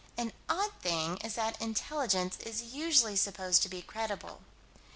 An odd thing is that intelligence is usually supposed to be creditable.